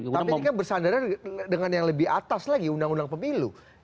tapi ini kan bersandaran dengan yang lebih atas lagi undang undang pemilu